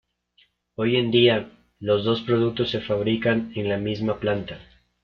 Hoy en día, los dos productos se fabrican en la misma planta.